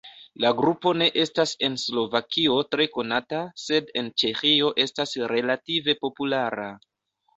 La grupo ne estas en Slovakio tre konata, sed en Ĉeĥio estas relative populara.